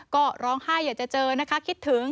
ก็ร้องไห้อยากจะเจอนะคะคิดถึง